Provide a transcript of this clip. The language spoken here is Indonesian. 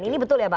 ini betul ya bang